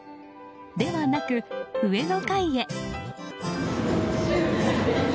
ではなく、上の階へ。